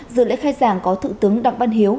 dự lễ khai giảng có thượng tướng đặng văn hiếu